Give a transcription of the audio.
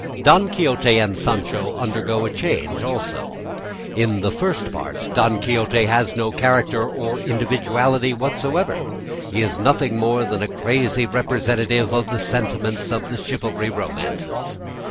Don Quixote and Sancho undergo a change also. In the First Part, Don Quixote has no character or individuality whatever. He is nothing more than a crazy representative of the sentiments of the chivalry romances.